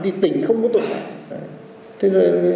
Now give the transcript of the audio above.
huyện nào cũng không có tội phạm thì tỉnh không có tội phạm